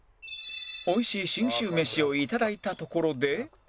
美味しい信州メシを頂いたところで